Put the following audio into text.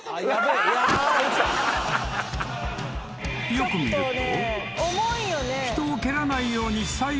［よく見ると］